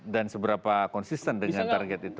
dan seberapa konsisten dengan target itu